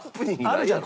あるじゃん